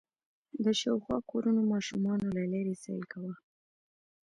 د شاوخوا کورونو ماشومانو له لېرې سيل کوه.